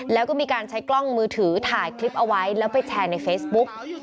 แล้วก็มีการใช้กล้องมือถือถ่ายคลิปเอาไว้แล้วไปแชร์ในเฟซบุ๊ก